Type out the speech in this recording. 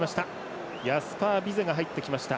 ヤスパー・ビセが入ってきました。